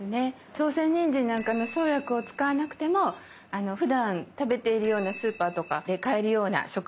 朝鮮人参なんかの生薬を使わなくてもふだん食べているようなスーパーとかで買えるような食材と調味料でできます。